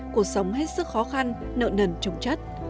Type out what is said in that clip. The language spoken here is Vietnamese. cuộc sống hết sức khó khăn nợ nần trồng chất